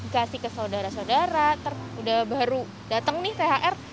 kasih ke saudara saudara udah baru dateng nih thr